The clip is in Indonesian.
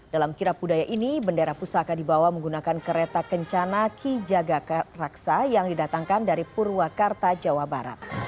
dalam kirap budaya ini bendera pusaka dibawa menggunakan kereta kencana ki jagakar raksa yang didatangkan dari purwakarta jawa barat